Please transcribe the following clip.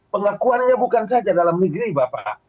pengakuannya bukan saja dalam negeri bapak